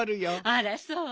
あらそう？